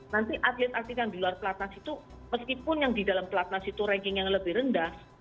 nanti atlet atlet yang di luar pelatnas itu meskipun yang di dalam pelatnas itu ranking yang lebih rendah